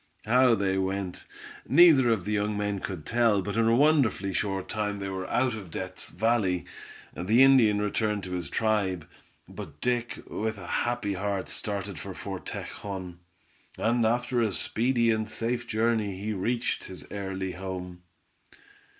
How they went, neither of the young men could tell, but in a wonderfully short time they were out of Death's Valley. The Indian returned to his tribe, but Dick, with a happy heart, started for Fort Tejon, and after a speedy and safe journey he reached his early home.